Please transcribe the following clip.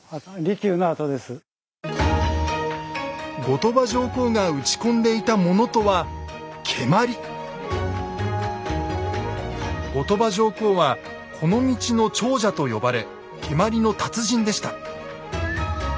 後鳥羽上皇が打ち込んでいたものとは後鳥羽上皇は「この道の長者」と呼ばれ蹴鞠の達人でした。